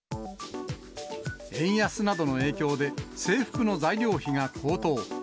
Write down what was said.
円安などの影響で、制服の材料費が高騰。